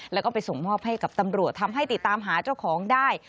แล้วก็ไปส่งมอบให้กับตำรวจทำให้ติดตามหาเจ้าของได้